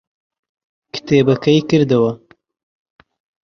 کتێبەکەی کردەوە.